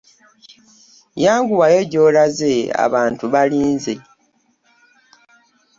Yanguwayo gy'olaze abantu balinze.